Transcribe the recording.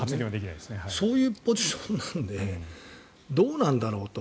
そういうポジションなのでどうなんだろうと。